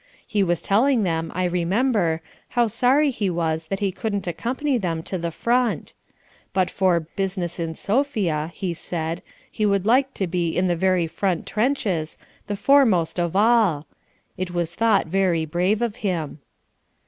He was telling them, I remember, how sorry he was that he couldn't accompany them to the front. But for "business in Sofia," he said, he would like to be in the very front trenches, the foremost of all. It was thought very brave of him.